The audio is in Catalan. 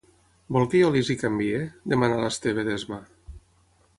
Vol que jo les hi canviï? —demana l'Esteve, d'esma.